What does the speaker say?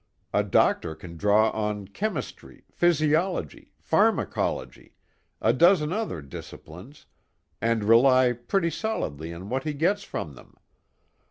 A doctor can draw on chemistry, physiology, pharmacology, a dozen other disciplines, and rely pretty solidly on what he gets from them.